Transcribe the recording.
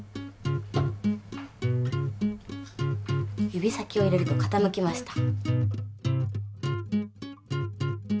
指先を入れるとかたむきました。